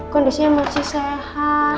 kondisinya masih sehat